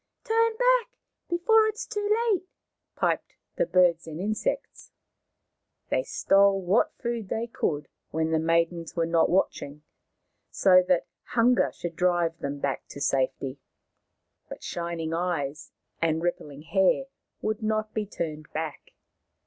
" Turn back before it is too late," piped the birds and insects. They stole what food they could when the maidens were not watching, so that hunger should drive them back to safety. But Shining Eyes and Rippling Hair would not be turned back.